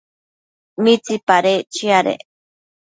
¿mitsipadec chiadec